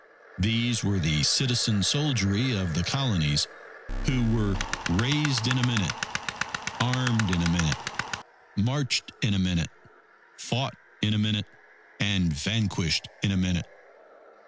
These were the citizen soldiery of the Colonies, who "were raised in a minute; armed in a minute; marched in a minute; fought in a minute; and vanquished in a minute."